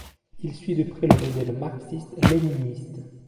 Il suit de près le modèle marxiste-léniniste.